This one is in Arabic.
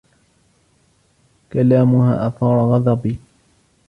كلامها أثار غضبي.